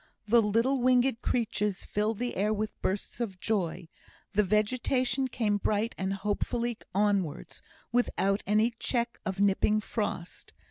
The little winged creatures filled the air with bursts of joy; the vegetation came bright and hopefully onwards, without any check of nipping frost.